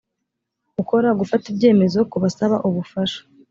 gukora gufata ibyemezo ku basaba ubufasha